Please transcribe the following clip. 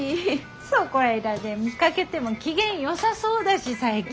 そこいらで見かけても機嫌よさそうだし最近。